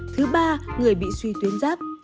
thứ ba người bị suy tuyến giáp